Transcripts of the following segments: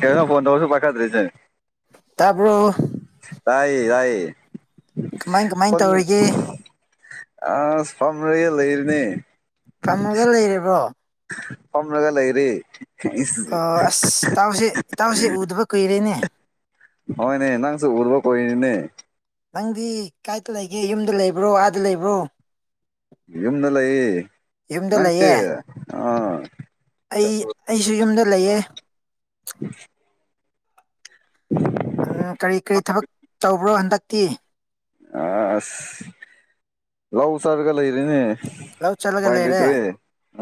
ꯀꯩꯅꯅ ꯐꯣꯟꯣꯟ ꯇ ꯁ ꯄꯥꯈꯗꯔꯤꯁꯦ ꯑꯗꯨꯣ ꯇꯏ ꯌꯥꯏ ꯀꯃꯥꯏ ꯀꯃꯥꯏ ꯇꯧꯔꯤꯒꯦ ꯑꯁ ꯄꯝꯔꯦ ꯂꯩꯔꯤꯅꯦ ꯐꯝꯃꯒ ꯂꯩꯔꯤꯕ꯭ꯔꯣ ꯀꯝꯂꯒ ꯂꯩꯔꯤꯦ ꯑꯁ ꯏꯇꯥꯎꯁꯦ ꯏꯇꯥꯎꯁꯦ ꯎꯗꯕ ꯀꯨꯏꯔꯦꯅꯦ ꯍꯅꯦ ꯅꯪ ꯆꯣ ꯎꯕ ꯀꯅꯤ ꯅ ꯅꯪꯗꯤ ꯀꯥꯏꯗ ꯂꯩꯒꯦ ꯌꯨꯝꯗ ꯂꯩꯕ꯭ꯔꯣ ꯑꯥꯗ ꯂꯩꯕ꯭ꯔꯣ ꯌꯨꯝꯗ ꯂꯩ ꯌꯨꯝꯗ ꯅꯪ ꯂꯩꯌꯦ ꯑ ꯑꯩ ꯑꯩꯁꯨ ꯌꯨꯝꯗ ꯂꯩꯑ [unintelligible] ꯀꯔꯤ ꯀꯔꯤ ꯊꯕꯛ ꯇꯧꯕ꯭ꯔꯣ ꯍꯟꯗꯛꯇꯤ ꯑꯁ ꯔꯥꯎ ꯆꯥꯔꯒ ꯂꯩꯔꯦꯅꯦ ꯂꯧ ꯆꯠꯂꯒ ꯂꯩꯔꯦ ꯐꯥꯏꯂꯗ꯭ꯔꯤ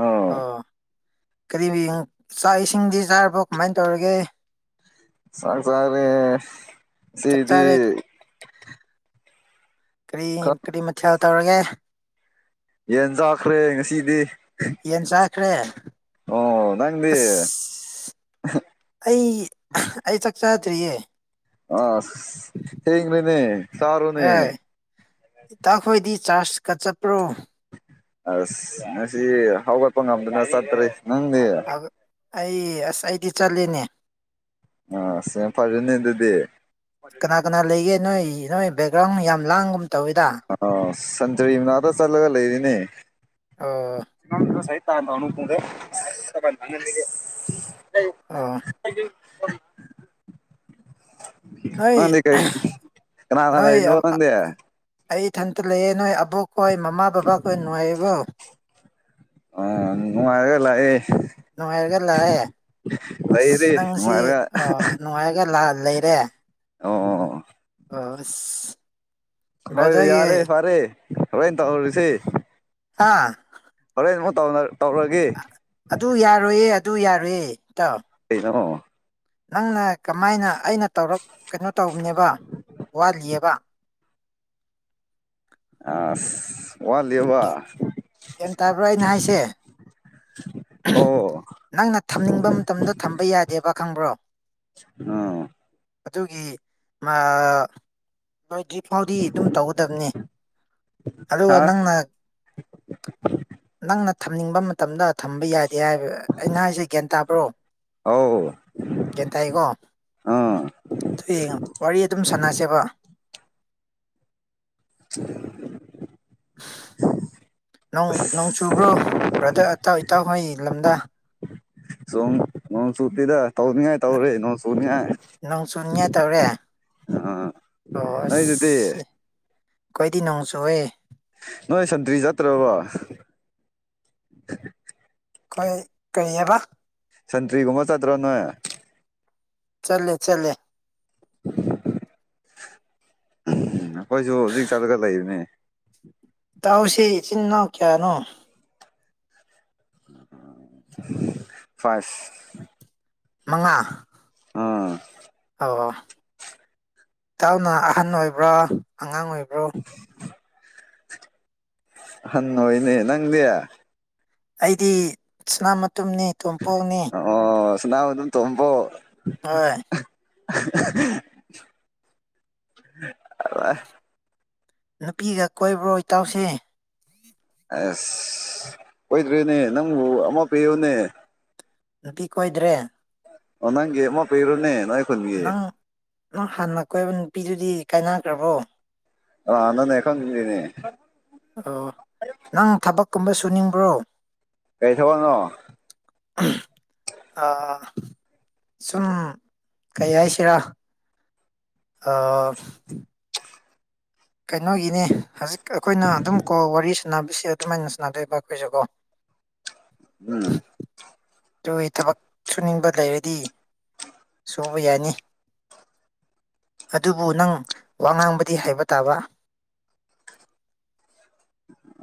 ꯑ ꯑꯣ ꯀꯔꯤ ꯆꯥꯛ ꯏꯁꯤꯡꯗꯤ ꯆꯥꯔꯕꯣ ꯀꯃꯥꯏꯅ ꯇꯧꯔꯒꯦ ꯆꯁꯔꯦ ꯆꯥꯛ ꯁꯤꯗꯤ ꯆꯥꯔꯦ ꯀꯔꯤ ꯀꯔꯤ ꯃꯊꯦꯜ ꯇꯧꯔꯒꯦ ꯌꯦꯟ ꯆꯥꯈ꯭ꯔꯦ ꯉꯁꯤꯗꯤ ꯇ꯭ꯔꯦ ꯗꯤ ꯑꯩ ꯑꯩ ꯆꯥꯛ ꯆꯗ꯭ꯔꯤꯌꯦ ꯑ ꯍꯦꯦꯅꯦ ꯆꯔꯣꯅꯦ ꯍꯣꯏ ꯏꯇꯥꯈꯣꯏꯗꯤ ꯆꯥꯔꯖꯀ ꯆꯠꯄ꯭ꯔꯣ ꯑꯁ ꯉꯁꯤ ꯍꯧꯒꯠꯄ ꯉꯝꯗꯅ ꯆꯠꯇ꯭ꯔꯤ ꯑꯩ ꯑꯁ ꯑꯩꯗꯤ ꯆꯠꯂꯤꯅꯦ ꯑꯁ ꯌꯥꯝ ꯐꯔꯦꯅꯦ ꯑꯗꯨꯗꯤ ꯀꯅꯥ ꯀꯅꯥ ꯂꯩꯒꯦ ꯅꯣꯏ ꯅꯣꯏ ꯕꯦꯛꯒ꯭ꯔꯥꯎꯟ ꯌꯥꯝ ꯂꯥꯡꯒꯨꯝ ꯇꯧꯏꯤꯗ ꯁꯖꯔꯤ ꯃꯅꯥꯗ ꯆꯂꯒ ꯂꯩꯔꯤꯅꯦ ꯑꯣ ꯇꯥ ꯇꯅ ꯀꯗ ꯄ ꯅꯦ ꯑꯥ ꯅꯣꯏ ꯅꯪꯗꯤ ꯀꯩ ꯀꯅꯥ ꯀꯅꯥ ꯅꯣꯏ ꯂꯩꯔꯤꯅꯣ ꯑ ꯅꯪꯗꯤ ꯑꯩ ꯏꯊꯟꯇ ꯂꯩꯑꯦ ꯅꯣꯏ ꯑꯕꯣꯛꯈꯣꯏ ꯃꯃꯥ ꯕꯕꯥꯈꯣꯏ ꯅꯨꯡꯉꯥꯏꯕꯣ ꯑ ꯅꯨꯡꯉꯥꯏꯒꯦ ꯂꯥꯛꯑ ꯅꯨꯡꯉꯥꯏꯔꯒ ꯂꯛꯢ ꯑꯁ ꯂꯩꯔꯤ ꯅꯪꯁꯤ ꯅꯨꯡꯉꯥꯏꯔꯒ ꯅꯨꯡꯉꯥꯏꯔꯒ ꯂꯩꯔꯦ ꯑꯣ ꯑꯣ ꯑꯣ ꯑꯣ ꯑꯁ ꯍꯣꯏ ꯕ꯭ꯔꯗꯔꯒꯤ ꯌꯥꯔꯦ ꯐꯔꯦ ꯍꯣꯔꯦꯟ ꯇꯧꯔꯁꯦ ꯍꯥꯥ ꯇꯧꯗꯅ ꯑꯗꯨ ꯌꯥꯔꯣꯏꯌꯦ ꯑꯗꯨ ꯌꯥꯔꯣꯏꯌꯦ ꯢꯇꯥꯎ ꯀꯩꯅꯣ ꯅꯪꯅ ꯀꯃꯥꯏꯅ ꯑꯩꯅ ꯇꯧꯔꯛ ꯀꯩꯅꯣ ꯇꯧꯕꯅꯦꯕ ꯋꯥꯠꯂꯤꯑꯕ ꯑ ꯋꯥꯠꯂꯤꯕ ꯒꯌꯥꯢꯟ ꯇꯕ꯭ꯔꯣ ꯑꯩꯅ ꯍꯥꯏꯁꯦ ꯑꯣ ꯅꯪꯅ ꯊꯝꯅꯤꯡꯕ ꯃꯇꯝꯗ ꯊꯝꯕ ꯌꯥꯗꯦꯕ ꯈꯪꯕ꯭ꯔꯣ ꯑꯥ ꯑꯗꯨꯒꯤ ꯃꯥ ꯂꯣꯏꯗ꯭ꯔꯤ ꯐꯥꯎꯗꯤ ꯑꯗꯨꯝ ꯇꯧꯒꯗꯕꯅꯤ ꯑꯗꯨꯒ ꯍꯥ ꯅꯪꯅ ꯅꯪꯅ ꯊꯝꯅꯤꯡꯕ ꯃꯇꯝꯗ ꯊꯝꯕ ꯌꯥꯗꯦ ꯍꯥꯏꯕ ꯑꯩ ꯅꯍꯥꯢꯁꯦ ꯒ꯭ꯌꯥꯟ ꯇꯥꯕ꯭ꯔꯣ ꯑꯧ ꯒ꯭ꯌꯥꯟ ꯇꯥꯏꯀꯣ ꯑꯥ ꯑꯗꯨ ꯌꯦꯡꯉꯣ ꯋꯥꯔꯤ ꯑꯗꯨꯝ ꯁꯥꯟꯅꯁꯦꯕ [unintelligible] ꯅꯣꯡ ꯆꯨꯕ꯭ꯔꯣ ꯕ꯭ꯔꯥꯗꯔ ꯑꯇꯥꯎ ꯏꯇꯥꯎ ꯍꯣꯏ ꯂꯝꯗ ꯁꯣꯝ ꯅꯣꯡ ꯆꯨꯗꯦꯗꯥ ꯇꯧꯅꯤꯡꯉꯥꯏ ꯇꯧꯔꯤ ꯅꯣꯡ ꯆꯅꯤꯡꯉꯥꯏ ꯅꯣꯡ ꯆꯨꯅꯤꯡꯉꯥꯏ ꯇꯧꯔꯦ ꯑ ꯑꯩꯗꯗꯤ ꯑꯩꯈꯣꯢꯗꯤ ꯅꯣꯡ ꯆꯨꯢꯌꯦ ꯅꯣꯏ ꯁꯟꯇ꯭ꯔꯤ ꯆꯠꯇ꯭ꯔꯕꯣ ꯑꯩꯈꯣꯏ ꯀꯔꯤꯑꯕ ꯁꯟꯇ꯭ꯔꯤꯒꯨꯝꯕ ꯆꯠꯇ꯭ꯔꯣ ꯅꯣꯏ ꯆꯠꯂꯦ ꯆꯠꯂꯦ ꯎꯝ ꯑꯩꯈꯣꯏꯁꯨ ꯍꯧꯖꯤꯛ ꯆꯠꯂꯒ ꯂꯩꯔꯤꯅꯦ ꯏꯇꯥꯎꯁꯤ ꯢꯆꯤꯟ ꯢꯅꯥꯎ ꯀꯌꯥꯅꯣ ꯐꯁ ꯃꯉꯥ ꯎꯝ ꯑꯣ ꯏꯇꯥꯎꯅ ꯑꯍꯟ ꯑꯣꯏꯕ꯭ꯔꯥ ꯑꯉꯥꯡ ꯑꯣꯏꯕ꯭ꯔꯣ ꯑꯍꯟ ꯑꯣꯢꯌꯦꯅꯦ ꯅꯡꯗꯤ ꯑꯩꯗꯤ ꯁꯅꯥ ꯃꯇꯨꯝꯅꯤ ꯇꯣꯝꯄꯣꯛꯅꯤ ꯑꯗꯨ ꯇꯝꯕꯣ ꯍꯣꯏ ꯑ ꯅꯨꯄꯤꯒ ꯀꯣꯏꯕ꯭ꯔꯣ ꯏꯇꯥꯎꯁꯦ ꯑꯁ ꯀꯣꯢꯗꯔꯤꯅꯦ ꯅꯡꯕꯨ ꯑꯃꯥ ꯄꯤꯌꯨꯅꯦ ꯅꯨꯄꯤ ꯀꯣꯏꯗ꯭ꯔꯦ ꯑꯣ ꯅꯪꯒꯤ ꯑꯃꯥ ꯄꯤꯕꯥꯅꯤ ꯅꯪ ꯅꯪ ꯍꯥꯟꯅ ꯀꯣꯏꯕ ꯅꯨꯄꯤꯗꯨꯗꯤ ꯀꯥꯏꯅꯈ꯭ꯔꯕꯣ ꯑꯅꯅꯦ ꯈꯅꯦ ꯀꯨꯝꯕ ꯁꯨ ꯅꯤꯡꯕ꯭ꯔꯣ ꯀꯩ ꯊꯕꯅ ꯑ ꯁꯨꯝ ꯀꯩ ꯍꯥꯏꯥꯏꯁꯤꯔꯥ ꯑ ꯀꯩꯅꯣꯒꯤꯅꯦ ꯍꯧꯖꯤꯛ ꯑꯩꯈꯣꯏꯅ ꯑꯗꯨꯝ ꯀꯣ ꯋꯥꯔꯤ ꯁ ꯁꯅꯥꯕꯤꯁꯤ ꯑꯗꯨꯃꯥꯏꯅ ꯁꯅꯗꯕ ꯀꯣꯏꯖꯒꯣ ꯎꯝ ꯑꯗꯨꯒꯤ ꯊꯕꯛ ꯁꯨꯅꯤꯡꯕ ꯂꯩꯔꯗꯤ ꯇꯧꯕ ꯌꯥꯅꯤ ꯑꯗꯨꯕꯨ ꯅꯪ ꯋꯥ ꯉꯥꯡꯕꯗꯤ ꯍꯥꯏꯕ ꯇꯥꯕ ꯗꯗ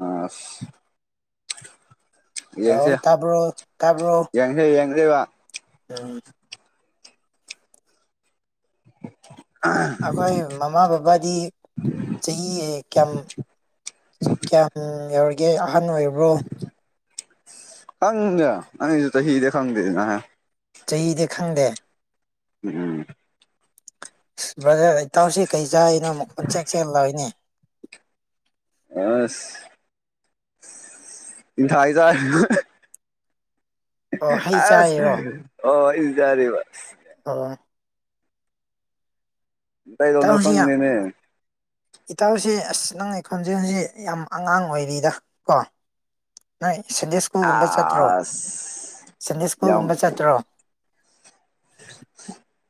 ꯑ ꯌꯦꯡꯁꯦ ꯍꯜꯂꯣ ꯇꯥꯕ꯭ꯔꯣ ꯇꯥꯕ꯭ꯔꯣ ꯌꯦꯡꯁꯦ ꯌꯦꯡꯁꯦ ꯎꯝ [unintelligible] ꯑꯩꯈꯣꯏ ꯃꯃꯥ ꯕꯕꯥꯗꯤ ꯆꯍꯤ ꯀꯌꯥꯝ ꯀꯌꯥꯝ ꯌꯥꯎꯔꯤꯒꯦ ꯑꯍꯟ ꯑꯣꯏꯔꯤꯕ꯭ꯔꯣ ꯈꯪꯗ ꯑꯉꯁꯨ ꯍꯗꯦ ꯈꯪꯗꯅꯦ ꯆꯍꯤꯗꯤ ꯈꯪꯗꯦ ꯎꯝ ꯕꯖꯔ ꯏꯇꯥꯎꯁꯤ ꯀꯩ ꯆꯥꯔꯤꯅꯣ ꯃꯈꯣꯟ ꯆꯦꯛ ꯆꯦꯛ ꯂꯏꯅꯦ ꯑꯁ ꯏ ꯊꯏꯖ ꯑꯣ ꯍꯩ ꯑ ꯆꯥꯔꯤꯔꯣ ꯍ ꯏꯖꯔꯦꯁ ꯑ ꯗꯥ ꯂꯣꯅ ꯏꯇꯥꯎꯁꯤ ꯌꯥꯝ ꯈꯪꯅꯅꯦ ꯏꯇꯥꯎꯁꯤ ꯑꯁ ꯅꯪꯒꯤ ꯈꯣꯟꯖꯦꯜꯁꯤ ꯌꯥꯝ ꯑꯉꯥꯡ ꯑꯣꯏꯔꯤꯗ ꯀꯣ ꯅꯣꯏ ꯁꯟꯗꯦ ꯁ꯭ꯀꯨꯜꯒꯨꯝꯕ ꯆꯠꯇ꯭ꯔꯣ ꯑꯁ ꯁꯟꯗꯦ ꯁ꯭ꯀꯨꯜꯒꯨꯝꯕ ꯆꯠꯇ꯭ꯔꯣ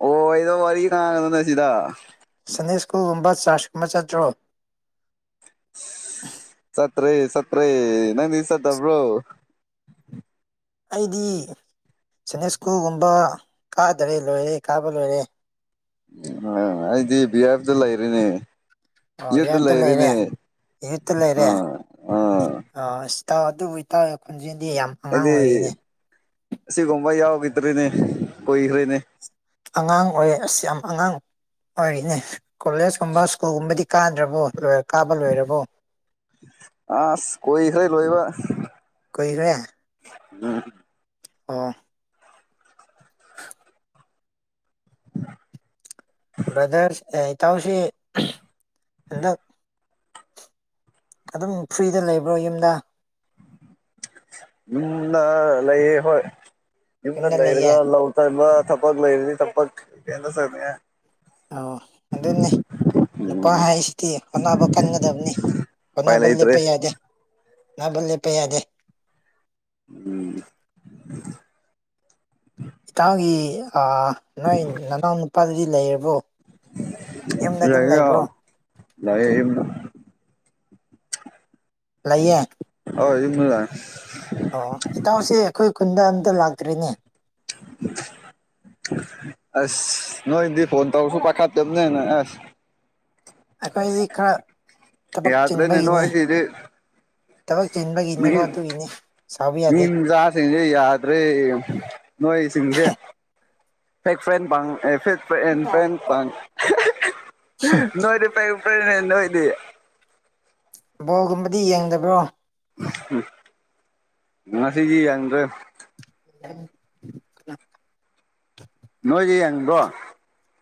ꯑꯣ ꯑꯩꯗ ꯋꯥꯔꯤ ꯋꯥꯔꯤ ꯀꯅꯥ ꯀ ꯅ ꯁꯤꯗ ꯁꯟꯗꯦ ꯁ꯭ꯀꯨꯜꯒꯨꯝꯕ ꯆꯥꯔꯆ ꯀꯨꯝꯕ ꯆꯠꯇ꯭ꯔꯣ ꯁꯠꯔꯤ ꯁꯠꯔꯤ ꯅꯪ ꯁꯠꯇꯕ꯭ꯔꯣ ꯑꯩꯗꯤ ꯁꯅꯤꯁꯀꯨꯒꯨꯝꯕ ꯀꯥꯗꯔꯦ ꯂꯣꯏꯔꯦ ꯀꯥꯕ ꯂꯣꯏꯔꯦ ꯑ ꯑꯩꯗꯤ ꯕꯤꯍꯥꯕꯇ ꯂꯩꯔꯅꯦ ꯑ ꯌꯥꯠꯇ ꯂꯩꯔꯦ ꯌꯨꯠꯇ ꯂꯩꯔꯦ ꯑ ꯑꯥ ꯑꯥ ꯑ ꯏ ꯇꯥꯎ ꯑꯗꯨꯕꯨ ꯇꯧꯋꯦ ꯈꯣꯟꯖꯦꯜꯗꯤ ꯌꯥꯝ ꯑꯉꯥꯡ ꯑꯣꯏꯔꯤꯅꯦ ꯑꯁꯤ ꯀꯣꯕ ꯌꯥꯎ ꯀꯗꯔꯅꯦ ꯀ ꯏꯈꯔꯦꯅꯦ ꯑꯉꯥꯡ ꯑꯣꯏꯌꯦ ꯑꯁꯤꯁ ꯌꯥꯝ ꯑꯉꯥꯡ ꯑꯣꯏꯔꯤꯅꯦ ꯀꯣꯂꯦꯖꯀꯨꯝꯕ ꯁ꯭ꯀꯨꯜꯒꯨꯝꯕꯗꯤ ꯀꯥꯗ꯭ꯔꯕꯣ ꯀꯥꯕ ꯂꯣꯏꯔꯕꯣ ꯑ ꯀ ꯈꯔ ꯂꯣꯏꯕ ꯑ ꯕ꯭ꯔꯗꯔꯁ ꯏꯇꯥꯎꯁꯤ ꯍꯟꯗꯛ ꯑꯗꯨꯝ ꯐ꯭ꯔꯤꯗ ꯂꯩꯕ꯭ꯔꯣ ꯌꯨꯝꯗ ꯌꯨꯝꯅ ꯂꯩꯌꯦ ꯍꯣꯏ ꯌꯨꯝꯗ ꯂꯩꯔꯒ ꯂꯧ ꯇꯕ ꯊꯄꯒ ꯂꯣꯏꯗꯤ ꯊꯄꯛ ꯀꯗ ꯁꯅꯤ ꯑꯣ ꯑꯗꯨꯗꯅꯤ ꯅꯨꯄꯥ ꯍꯥꯏꯁꯤꯗꯤ ꯍꯣꯠꯅꯕ ꯀꯟꯒꯗꯕꯅꯤ ꯎꯄꯥꯏ ꯍꯣꯅꯕ ꯂꯩꯇ꯭ꯔꯦ ꯂꯦꯞꯄ ꯌꯥꯗꯦ ꯅꯥꯕꯜ ꯂꯦꯞꯄ ꯌꯥꯗꯦ ꯎꯝ ꯏꯇꯥꯎꯒꯤ ꯅꯣꯏ ꯅꯅꯥꯎ ꯅꯨꯄꯥꯗꯨꯗꯤ ꯂꯩꯔꯕꯣ ꯌꯨꯝꯗ ꯑꯗꯨꯝ ꯂꯩ ꯂꯩꯕ꯭ꯔꯣ ꯂꯩꯕ ꯂꯩꯌꯦ ꯂꯥꯏ ꯑꯣ ꯏꯇꯥꯎꯁꯦ ꯑꯩꯈꯣꯏ ꯈꯨꯟꯗ ꯑꯝꯇ ꯂꯥꯛꯇ꯭ꯔꯤꯅꯦ ꯑꯁ ꯅꯣꯏꯗꯤ ꯐꯣꯟ ꯇꯧꯔꯁꯨ ꯄꯥꯈꯥꯠꯇꯕꯅꯦꯅ ꯑꯁ ꯑꯩꯈꯣꯏꯗꯤ ꯈꯔ ꯊꯕꯛ ꯌꯥꯗ꯭ꯔꯦꯅꯦ ꯆꯤꯟꯕꯒꯤꯅꯤ ꯅꯣꯏꯁꯤꯗꯤ ꯊꯕꯛ ꯆꯤꯟꯕꯒꯤꯅꯤꯀꯣ ꯑꯗꯨꯒꯤꯅꯤ ꯁꯥꯎꯕ ꯌꯥꯗꯦ ꯅꯤꯡꯝꯖꯥ ꯁꯤꯤꯡꯗꯦꯗ꯭ꯔꯦ ꯅꯣꯏꯣꯏ ꯁꯤꯤꯡꯗꯦ ꯐ ꯐꯦꯟ ꯄꯥꯡ ꯑꯦ ꯐ ꯐ ꯐ꯭ꯔꯦꯟ ꯄ ꯅꯣꯏꯗꯤ ꯐ ꯄꯦꯅ ꯍꯣꯏꯗꯌꯦꯦ ꯕꯣꯒꯨꯝꯕꯗꯤ ꯌꯦꯡꯗꯕ꯭ꯔꯣ ꯉ ꯁꯤꯗ [unintelligible] ꯅꯣꯏꯦ ꯍꯪꯗꯣ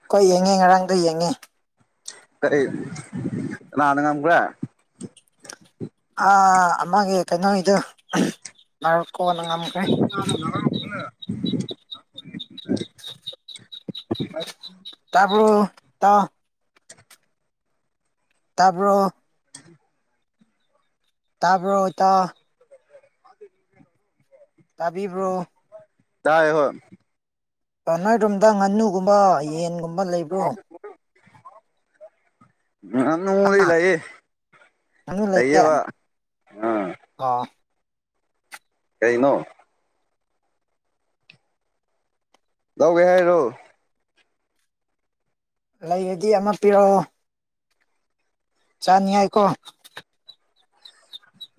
ꯍꯣꯏ ꯌꯦꯡꯉꯦ ꯉꯔꯥꯡꯗ ꯌꯦꯡꯉꯦ ꯀꯩ ꯂꯅꯉꯝ ꯀ ꯑ ꯑꯃꯒꯤꯦ ꯀꯩꯅꯣ ꯏꯣ ꯦ ꯇ ꯇꯥꯄꯣ ꯎ ꯇꯥꯄ ꯑꯣꯇ ꯑꯦ ꯇꯥꯕꯤꯕ꯭ꯔꯣ ꯇꯥꯏ ꯍꯣꯏ ꯆꯅꯥꯏꯔꯣꯝꯗ ꯉꯥꯅꯨꯒꯨꯝꯕ ꯌꯦꯟꯒꯨꯝꯕ ꯂꯩꯕ꯭ꯔꯣ ꯉꯥꯟ ꯅꯣꯡꯃꯗꯤ ꯂꯩꯌꯦ ꯉꯥꯅꯨ ꯂꯩꯌꯦ ꯂꯩꯌꯦꯕ ꯑꯥ ꯑꯣ ꯀꯅꯣ ꯂꯧꯒꯦ ꯍꯥꯏꯔꯣ ꯂꯩꯔꯗꯤ ꯑꯃ ꯄꯤꯔꯛꯑꯣ ꯆꯥꯅꯤꯌꯥꯥꯏꯀꯣ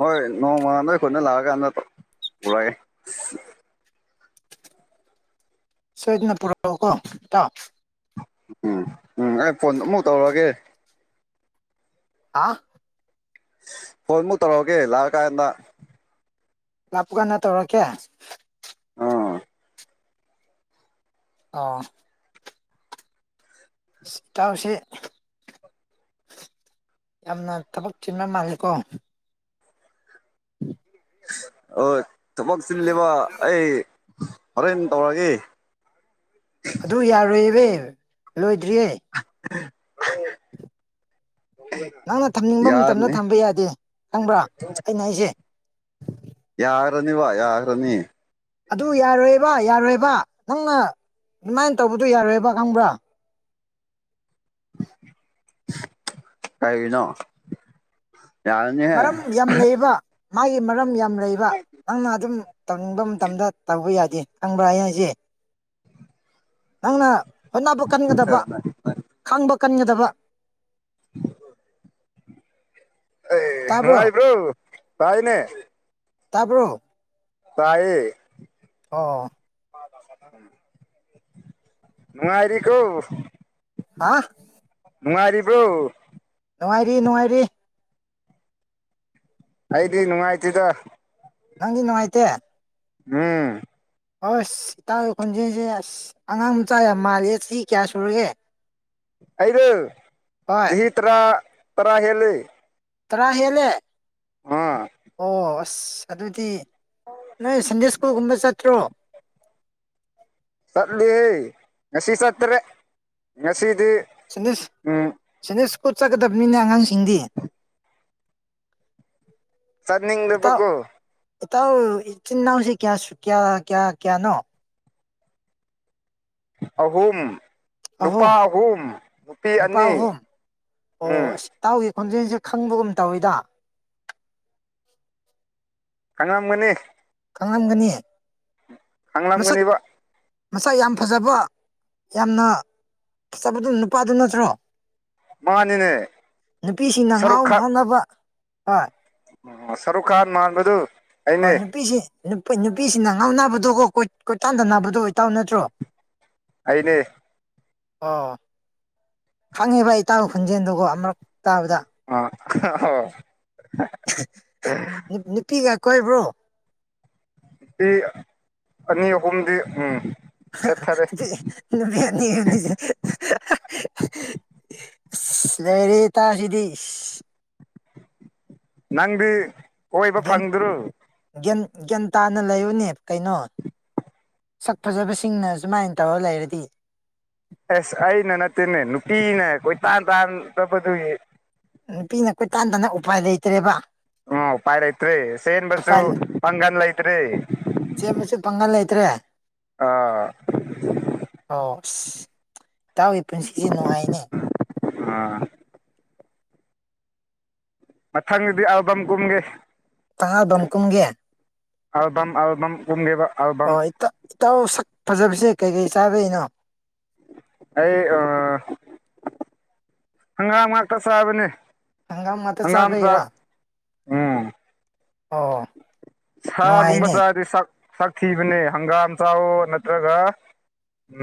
ꯍꯣꯏ ꯅꯣꯡꯃ ꯅꯣꯏ ꯈꯨꯣꯏꯠꯅ ꯂꯥꯛꯑꯀꯥꯟꯗ ꯄꯨꯔꯛꯒꯦ ꯁꯣꯏꯗꯅ ꯄꯨꯔꯛꯣ ꯀꯣ ꯇꯥꯎ ꯎꯝ ꯎꯝ ꯑꯩ ꯐꯣꯟ ꯑꯃꯨꯛ ꯇꯧꯔꯛꯑꯒꯦ ꯑ ꯐꯣꯟꯃꯨꯛ ꯇꯧꯔꯛꯑꯒꯦ ꯂꯥꯛꯑ ꯀꯥꯟꯗ ꯂꯞꯄ ꯀꯥꯟꯗ ꯇꯧꯔꯀꯦ ꯑꯥ ꯑꯥ ꯁꯤꯇꯁꯦ ꯌꯥꯝꯅ ꯊꯕꯛ ꯆꯤꯟꯕ ꯃꯥꯂꯦꯀꯣ ꯎꯝ ꯑꯣ ꯊꯕꯛ ꯆꯤꯜꯂꯤꯕ ꯑꯩ ꯍꯣꯔꯦꯟ ꯇꯧꯔꯒꯦ ꯑꯗꯨ ꯌꯥꯔꯣꯏꯕ ꯂꯣꯏꯗ꯭ꯔꯤꯌꯦ ꯅꯪꯅ ꯊꯝꯅꯤꯡꯕ ꯃꯇꯝꯗ ꯌꯥꯔꯅꯤ ꯊꯝꯕ ꯌꯥꯗꯦ ꯈꯪꯕ꯭ꯔꯥ ꯑꯩꯅ ꯑꯩꯁꯦ ꯌꯥ ꯔꯅꯤ ꯋꯥ ꯌꯥꯒ ꯔꯅꯤ ꯑꯗꯨ ꯌꯥꯔꯣꯏꯕ ꯌꯥꯔꯣꯏꯕ ꯅꯪꯅ ꯑꯗꯨꯃꯥꯏꯅ ꯇꯧꯕꯗꯨꯣ ꯌꯥꯔꯣꯏꯕ ꯈꯪꯕ꯭ꯔꯥ ꯀꯥꯏꯅ ꯃꯔꯝ ꯌꯥꯝ ꯂꯩꯌꯦꯕ ꯃꯥꯒꯤ ꯃꯔꯝ ꯌꯥꯝ ꯂꯩꯕ ꯅꯪꯅ ꯑꯗꯨꯝ ꯇꯧꯅꯤꯡꯕ ꯃꯇꯝꯗ ꯇꯧꯕ ꯌꯥꯏꯦ ꯈꯪꯕ꯭ꯔꯥ ꯍꯌꯦꯡ ꯑꯩꯁꯦ ꯅꯪꯅ ꯍꯣꯠꯅꯕ ꯀꯟꯒꯗꯕ ꯈꯥꯡꯕ ꯀꯟꯒꯗꯕ [inaudible] ꯑꯦ ꯇꯥꯕ꯭ꯔꯣ ꯅꯅꯨꯡꯉꯥꯏꯕ꯭ꯔꯣ ꯄꯥꯏꯅꯦ ꯇꯄꯣ ꯇꯌꯦꯌꯦ ꯑ ꯅꯨꯡꯉꯥꯏꯔꯤ ꯀꯣ ꯍꯥ ꯅꯨꯡꯉꯔꯤꯕꯔꯤꯕ꯭ꯔꯣ ꯅꯨꯡꯉꯥꯏꯔꯤ ꯅꯨꯡꯉꯥꯏꯔꯤ ꯑꯩꯗꯤ ꯅꯨꯡꯉꯥꯏꯇꯗ ꯅꯪꯗꯤ ꯅꯅꯨꯡꯉꯥꯏꯇꯦ ꯎꯝ ꯑꯣꯏ ꯑꯁ ꯏꯇꯥꯥꯛ ꯈꯣꯟꯖꯦꯜꯁꯦ ꯑꯁ ꯑꯉꯥꯡ ꯃꯆꯥ ꯌꯥꯝ ꯃꯥꯜꯂꯤꯦ ꯁꯤ ꯀꯌꯥ ꯁꯨꯔꯒꯦ ꯑꯩꯗ ꯍꯣꯏ ꯆꯍꯤ ꯇꯔꯥ ꯇꯔꯥ ꯍꯦꯜꯜꯂꯤ ꯇꯔꯥ ꯍꯦꯜꯂꯦ ꯑꯣ ꯑꯁ ꯑꯗꯨꯗꯤ ꯅ ꯁꯤꯟꯖꯦ ꯁꯀꯨꯜꯒꯨꯝꯕ ꯆ ꯊ꯭ꯔꯣ ꯆꯠꯂꯤ ꯉꯁꯤ ꯁꯠꯇꯔ ꯉꯁꯤ ꯁꯅꯤꯁ ꯁꯅꯤꯁ ꯈꯨꯠ ꯆꯠꯀꯗꯕꯅꯤꯅ ꯑꯉꯥꯡꯁꯤꯡꯗꯤ ꯏꯇꯥꯎ ꯆꯠꯅꯤꯡꯗꯕꯣ ꯏꯇꯥꯎ ꯏ ꯆꯤꯟꯅꯥꯎꯁꯤꯦ ꯀꯌꯥꯁꯨ ꯀꯌꯥ ꯀꯌꯥ ꯀꯌꯥꯅꯣ ꯑꯍꯨꯝ ꯅꯨꯄꯥ ꯑꯍꯨꯝ ꯅꯨꯄꯤ ꯅꯨꯄꯥ ꯑꯅꯤ ꯑꯍꯨꯝ ꯎꯝ ꯑꯣ ꯑꯁ ꯏꯇꯥꯎꯒꯤ ꯈꯣꯟꯖꯦꯜꯁꯦ ꯈꯪꯕꯒꯨꯝ ꯇꯧꯋꯤꯗ ꯀꯪꯉꯝꯒꯅꯤ ꯀꯝꯒꯅꯤ ꯍꯪꯂꯝꯒꯅꯤꯕ ꯃꯁꯛ ꯌꯥꯝ ꯐꯖꯕ ꯌꯥꯝꯅ ꯐꯖꯕꯗꯨ ꯅꯨꯄꯥꯗꯨ ꯅꯠꯇ꯭ꯔꯣ ꯃꯥꯅꯤꯅꯦ ꯅꯨꯄꯤꯁꯤꯡꯅ ꯁꯔꯨꯛ ꯉꯥꯎ ꯉꯥꯎꯅꯕ ꯍꯣꯏ ꯁꯔꯨ ꯀꯥ ꯃꯥꯥꯟꯕꯗꯨ ꯍ ꯅꯨꯄꯤꯁꯤ ꯅꯨ ꯅꯨꯄꯤꯁꯤꯅ ꯉꯥꯎ ꯅꯥꯕꯗꯣꯀꯣ ꯀꯣꯏ ꯀꯣꯏꯇꯥꯟꯗꯅꯥꯕꯗꯣ ꯑꯣꯏꯇꯥꯎ ꯅꯠꯇ꯭ꯔꯣ ꯑꯩꯅꯦ ꯑꯣ ꯈꯪꯉꯤ ꯚ ꯇꯥꯕ ꯈꯨꯟꯖꯦꯜꯗꯨꯒꯣ ꯑꯃꯛ ꯇꯥꯕꯗ ꯍꯣ ꯅꯨꯄꯤꯒ ꯀꯣꯏꯕ꯭ꯔꯣ ꯅꯨꯄꯤ ꯑꯅꯤ ꯑꯍꯨꯝꯗꯤ ꯎꯝ ꯁꯦꯠꯊꯔꯦ ꯅꯃꯤ ꯌꯥꯅꯤꯅꯤ ꯂꯩꯦꯔꯤ ꯇ ꯁꯤꯗꯤ ꯅꯪꯗꯤ ꯀꯣꯏꯕ ꯒ꯭ꯌꯥꯟ ꯐꯪꯗ꯭ꯔꯣ ꯒ꯭ꯌꯥꯟ ꯒ꯭ꯌꯥꯟ ꯇꯥꯅ ꯂꯩꯌꯨꯅꯦ ꯀꯩꯅꯣ ꯁꯛ ꯐꯖꯕꯁꯤꯡꯅ ꯁꯨꯃꯥꯏꯅ ꯇꯧꯔ ꯂꯩꯔꯗꯤ ꯑꯦꯁ ꯑꯩꯅ ꯅꯠꯇꯦꯅꯦ ꯅꯨꯄꯤꯅꯦ ꯀꯣꯏ ꯇꯥꯟ ꯇꯥꯟꯗꯕꯗꯨꯒꯤ ꯅꯨꯄꯤꯅ ꯀꯣꯏꯇꯥꯥꯟ ꯇꯅ ꯎꯄꯥꯏ ꯂꯩꯇ꯭ꯔꯦꯕ ꯑꯣ ꯎꯄꯥꯏ ꯂꯩꯇ꯭ꯔꯔꯤ ꯆꯦꯟꯕꯁꯨ ꯎꯄꯥꯏ ꯄꯥꯡꯒꯟ ꯂꯩꯇ꯭ꯔꯤ ꯆꯦꯟꯕꯁꯨ ꯄꯥꯡꯒꯜ ꯂꯩꯇ꯭ꯔꯦ ꯑꯥ ꯑꯣꯁ ꯏ ꯇꯥꯎꯋ ꯄꯨꯟꯁꯤꯁꯦ ꯅꯨꯡꯉꯥꯏꯅꯦ ꯑꯥ ꯃꯊꯪ ꯑꯗꯨꯗꯤ ꯑꯕꯝ ꯀꯨꯝꯒꯦ ꯇꯉꯥ ꯝꯀꯨꯝꯒꯦ ꯑꯗꯨꯜꯗꯝ ꯑꯜꯕꯝ ꯀꯨꯝꯗꯦꯕ ꯑꯣ ꯏꯇꯥꯎ ꯁꯛ ꯐꯖꯕꯁꯦ ꯀꯩꯀꯩ ꯆꯥꯗꯩꯅꯣ ꯑꯩ ꯍꯪꯒꯥꯝ ꯉꯥꯛꯇ ꯆꯥꯕꯅꯦ ꯍꯒꯥꯝ ꯃ ꯍꯪꯒꯥꯝ ꯆꯥꯕ ꯆꯥꯛ ꯏꯔ ꯎꯝ ꯁꯥꯒꯨꯝꯕ ꯅꯨꯡꯉꯥꯏꯅꯦ ꯆꯗꯤ ꯁꯛ ꯊꯤꯕꯅꯦ ꯍꯪꯒꯥꯝ ꯆꯥꯎꯋꯣ ꯅꯠꯇ꯭ꯔꯒ ꯎ